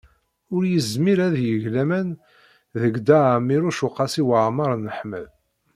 Ur yezmir ad yeg laman deg Dda Ɛmiiruc u Qasi Waɛmer n Ḥmed.